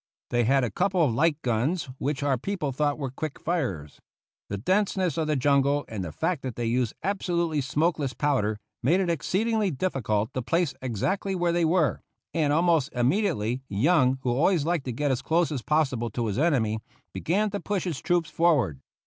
They had a couple of light guns, which our people thought were quick firers. The denseness of the jungle and the fact that they used absolutely smokeless powder, made it exceedingly difficult to place exactly where they were, and almost immediately Young, who always liked to get as close as possible to his enemy, began to push his troops forward.